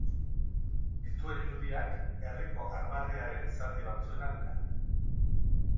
Dituen irudiak herriko armarriaren zati batzuena dira.